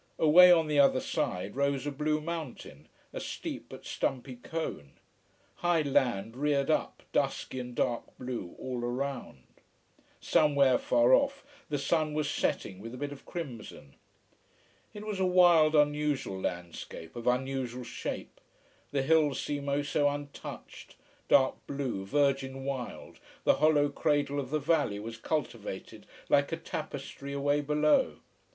Away on the other side rose a blue mountain, a steep but stumpy cone. High land reared up, dusky and dark blue, all around. Somewhere far off the sun was setting with a bit of crimson. It was a wild, unusual landscape, of unusual shape. The hills seemed so untouched, dark blue, virgin wild, the hollow cradle of the valley was cultivated like a tapestry away below.